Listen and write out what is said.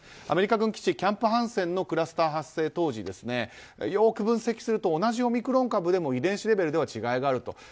アメリカ軍基地キャンプ・ハンセンのクラスター発生当時よく分析すると同じオミクロン株でも遺伝子レベルでは違いがあると。